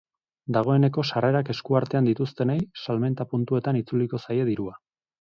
Dagoeneko sarrerak eskuartean dituztenei, salmenta puntuetan itzuliko zaie dirua.